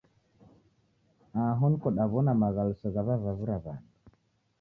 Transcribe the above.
Aho niko daw'ona maghaluso ghaw'avavira w'andu.